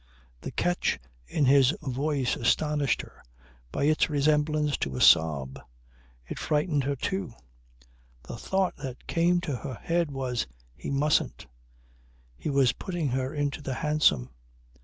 The catch in his voice astonished her by its resemblance to a sob. It frightened her too. The thought that came to her head was: "He mustn't." He was putting her into the hansom.